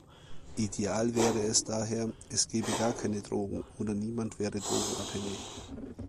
Ideal wäre es daher, es gäbe gar keine Drogen oder niemand wäre drogenabhängig.